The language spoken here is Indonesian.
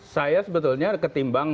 saya sebetulnya ketimbang